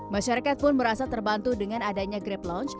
masyarakat pun merasa terbantu dengan adanya grab launch